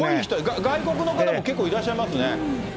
外国の方も結構いらっしゃいますね。